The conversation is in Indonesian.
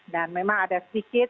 dan memang ada sedikit